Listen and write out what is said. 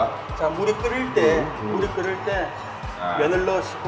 อันนี้ใส่ออกไปน้ำเดือดเนอะ